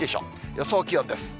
予想気温です。